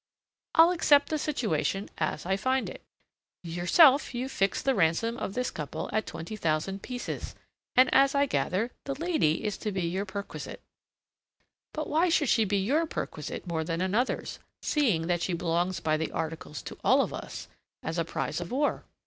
I'll accept the situation as I find it. Yourself you've fixed the ransom of this couple at twenty thousand pieces, and, as I gather, the lady is to be your perquisite. But why should she be your perquisite more than another's, seeing that she belongs by the articles to all of us, as a prize of war?"